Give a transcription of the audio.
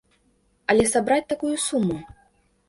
Але сабраць такую суму!